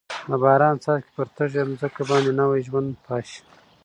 د باران څاڅکي پر تږې ځمکه باندې نوي ژوند پاشي.